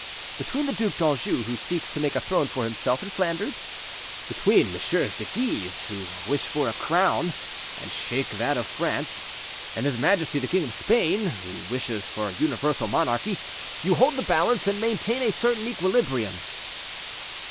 "Between the Duc d'Anjou, who seeks to make a throne for himself in Flanders, between MM. de Guise, who wish for a crown, and shake that of France, and his majesty the king of Spain, who wishes for universal monarchy, you hold the balance and maintain a certain equilibrium."